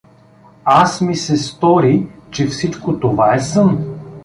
Аз ми се стори, че всичко това е сън.